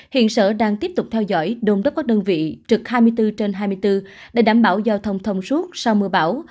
hiện sở đang tiếp tục theo dõi đồn đốc các đơn vị trực hai mươi bốn trên hai mươi bốn để đảm bảo giao thông thông suốt sau mưa bão